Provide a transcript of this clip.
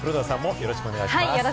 よろしくお願いします。